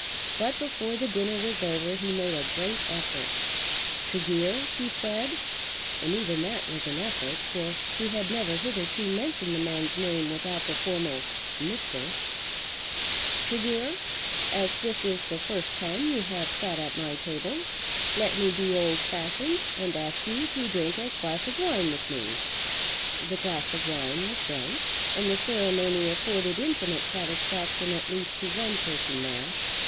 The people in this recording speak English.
But before the dinner was over he made a great effort. "Tregear," he said, and even that was an effort, for he had never hitherto mentioned the man's name without the formal Mister, "Tregear, as this is the first time you have sat at my table, let me be old fashioned, and ask you to drink a glass of wine with me." The glass of wine was drunk and the ceremony afforded infinite satisfaction at least to one person there.